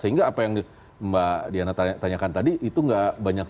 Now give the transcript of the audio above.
sehingga apa yang mbak diana tanyakan tadi itu nggak banyak